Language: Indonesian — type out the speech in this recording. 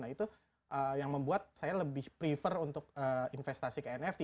nah itu yang membuat saya lebih prefer untuk investasi ke nft